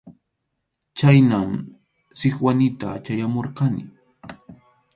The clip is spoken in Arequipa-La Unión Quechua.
Chhaynam Sikwanita chayamurqani.